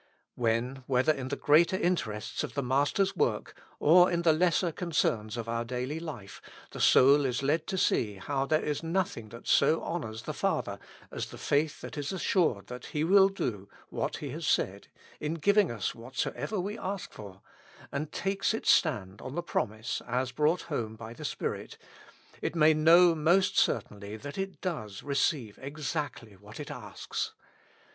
When, whether in the greater interests of tlie Master's work, or in the lesser concerns of our daily life, the soul is led to see how there is nothing that so honors the Father as the faith that is assured that He With Christ in the School of Prayer. will do what He has said in giving us whatsoever we ask for, and takes its stand on the promise as brought home by the Spirit, it may know most certainly that it does receive exactly what it asks.